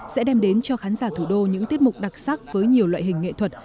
sẽ đem đến cho khán giả thủ đô những tiết mục đặc sắc với nhiều loại hình nghệ thuật